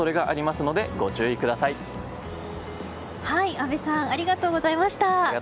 阿部さんありがとうございました。